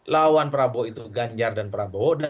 lawan prabowo itu ganjar dan prabowo